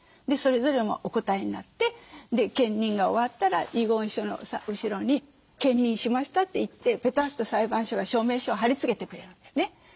でそれぞれもお答えになって検認が終わったら遺言書の後ろに検認しましたといってぺたっと裁判所が証明書を貼り付けてくれるんですね。